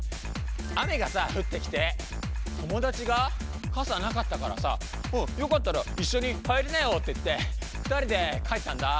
雨がさ降ってきて友達が傘なかったからさ「よかったら一緒に入りなよ」って言って２人で帰ったんだ。